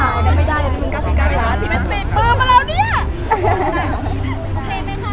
อันนี้มีอาการปื่น